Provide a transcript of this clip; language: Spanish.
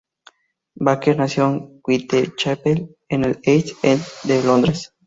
Baker nació en Whitechapel, en el East End de Londres.